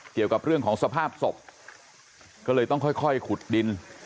เกี่ยวกับเรื่องของสภาพศพก็เลยต้องค่อยขุดดิน